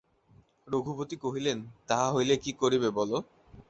রঘুপতি কহিলেন, তা হইলে কী করিবে বলো।